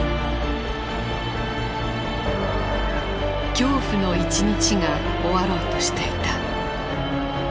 恐怖の一日が終わろうとしていた。